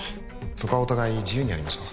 そこはお互い自由にやりましょう